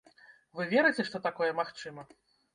Вы верыце, што такое магчыма?